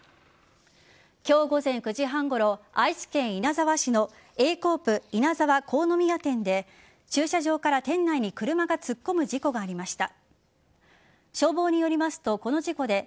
今日午前９時半ごろ愛知県稲沢市のＡコープ稲沢国府宮店で駐車場から店内に車が突っ込む事故がありました。